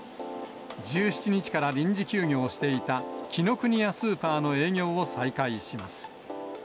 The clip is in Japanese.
１７日から臨時休業していた紀ノ国屋スーパーの営業を再開します。